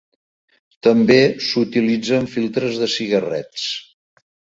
També s'utilitza en filtres de cigarrets.